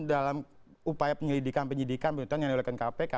dalam upaya penyelidikan penyidikan penyelidikan yang diolahkan kpk